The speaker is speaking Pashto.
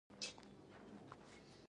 د میرویس نیکه یې ګڼله.